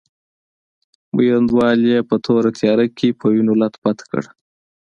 میوندوال یې په توره تیاره کې په وینو لت پت کړ.